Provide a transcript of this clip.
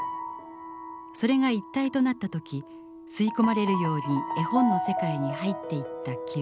それが一体となった時吸い込まれるように絵本の世界に入っていった記憶。